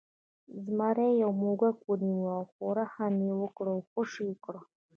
زمري یو موږک ونیو خو رحم یې وکړ او خوشې یې کړ.